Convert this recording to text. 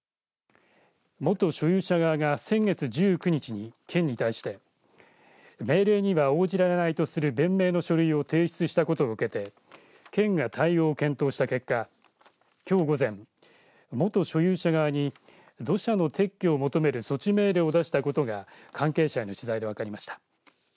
元所有者側が先月１９日に県に対して命令には応じられないとする弁明の書類を提出したことを受けて県が対応を検討した結果、きょう午前、元所有者側に土砂の撤去を求める措置命令を出したことが関係者への取材で分かりました。